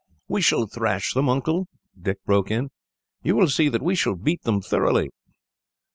"We shall thrash them, Uncle," Dick broke in. "You will see that we shall beat them thoroughly."